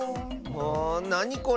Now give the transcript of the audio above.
なにこれ？